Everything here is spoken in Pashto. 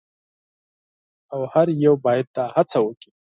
او هر یو باید دا هڅه وکړي.